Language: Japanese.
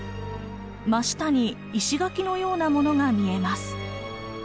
真下に石垣のようなものが見えます。